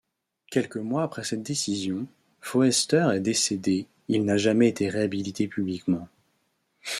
Quelques mois après cette décision, Foerster est décédé Il n'a jamais été réhabilité publiquement.